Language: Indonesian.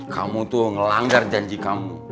kamu tuh ngelanggar janji kamu